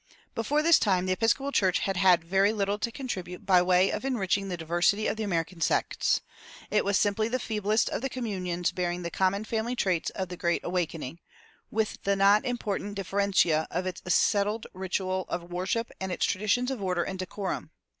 Before this time the Episcopal Church had had very little to contribute by way of enriching the diversity of the American sects. It was simply the feeblest of the communions bearing the common family traits of the Great Awakening, with the not unimportant differentia of its settled ritual of worship and its traditions of order and decorum.